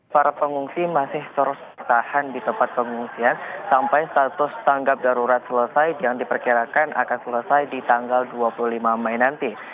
para pengungsi masih terus bertahan di tempat pengungsian sampai status tanggap darurat selesai yang diperkirakan akan selesai di tanggal dua puluh lima mei nanti